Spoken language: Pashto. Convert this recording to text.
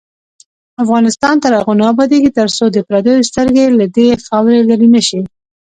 افغانستان تر هغو نه ابادیږي، ترڅو د پردیو سترګې له دې خاورې لرې نشي.